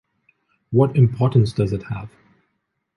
What importance does it have?